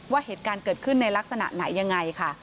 เหตุการณ์เกิดขึ้นในลักษณะไหนยังไงค่ะ